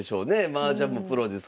マージャンもプロですから。